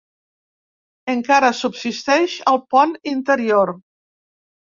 Encara subsisteix el pont interior.